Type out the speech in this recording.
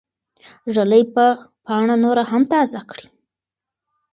ږلۍ به پاڼه نوره هم تازه کړي.